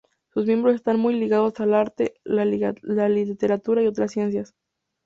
Sus miembros están muy ligados al arte, la literatura y otras ciencias.